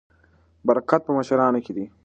برکت په مشرانو کې دی.